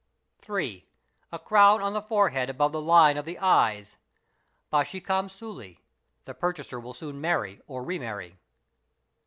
3. A crown on the forehead above the line of the eyes, (bhashicam sult)—the purchaser will soon marry or re marry.